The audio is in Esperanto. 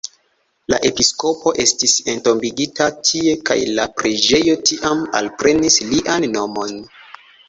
La episkopo estis entombigita tie kaj la preĝejo tiam alprenis lian nomon.